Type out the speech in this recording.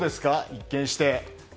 一見して。